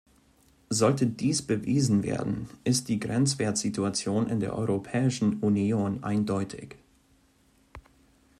Sollte dies bewiesen werden, ist die Grenzwertsituation in der Europäischen Union eindeutig.